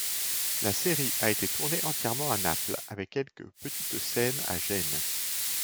La série a été tournée entièrement à Naples avec quelques petites scènes à Gênes.